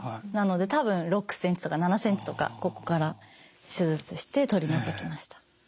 なので多分６センチとか７センチとかここから手術して取り除きました。